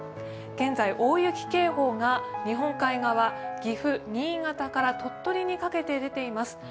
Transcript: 現在、大雪警報が日本海側、岐阜、新潟から鳥取にかけて出ています。